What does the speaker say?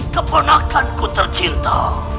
kepernahkan ku tercinta